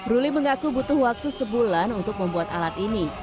ruli mengaku butuh waktu sebulan untuk membuat alat ini